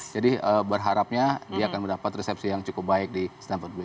jadi berharapnya dia akan mendapat resepsi yang cukup baik di stamford bridge